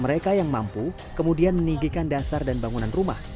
mereka yang mampu kemudian meninggikan dasar dan bangunan rumah